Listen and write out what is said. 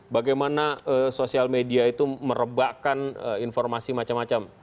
bagaimana sosial media itu merebakkan informasi macam macam